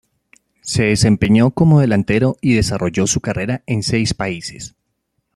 Se desempeñó como delantero y desarrolló su carrera en seis países.